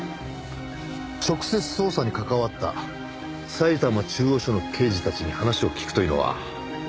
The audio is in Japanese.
直接捜査に関わった埼玉中央署の刑事たちに話を聞くというのはどうでしょう？